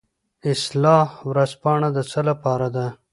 اصلاح ورځپاڼه د څه لپاره ده؟